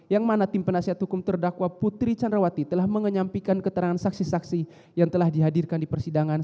yang mana tim penasihat hukum terdakwa putri candrawati telah menyampikan keterangan saksi saksi yang telah dihadirkan di persidangan